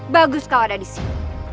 bagus kau ada disini